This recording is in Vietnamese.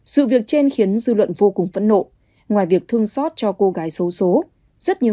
sự việc trên khiến dư luận vô cùng phẫn nộ ngoài việc thương xót cho cô gái xấu xố rất nhiều